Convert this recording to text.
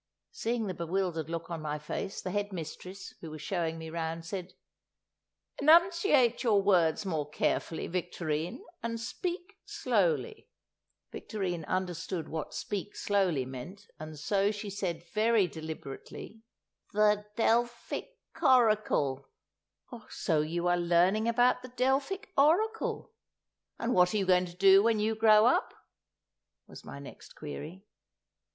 Seeing the bewildered look on my face, the head mistress, who was showing me round, said, "Enunciate your words more carefully, Victorine, and speak slowly." Victorine understood what "speak slowly" meant, and so she said very deliberately, "The—Delphic—Horricul." "So you are learning about the Delphic Oracle. And what are you going to do when you grow up?" was my next query.